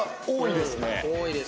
多いですね。